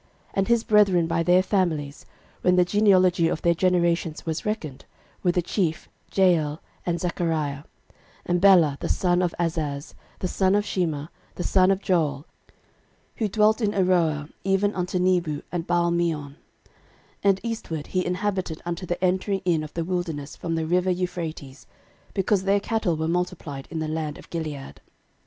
13:005:007 And his brethren by their families, when the genealogy of their generations was reckoned, were the chief, Jeiel, and Zechariah, 13:005:008 And Bela the son of Azaz, the son of Shema, the son of Joel, who dwelt in Aroer, even unto Nebo and Baalmeon: 13:005:009 And eastward he inhabited unto the entering in of the wilderness from the river Euphrates: because their cattle were multiplied in the land of Gilead.